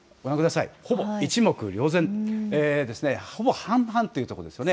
一目瞭然、ほぼ半々というところです。